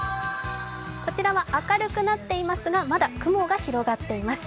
こちらは明るくなっていますが、まだ雲が広がっています。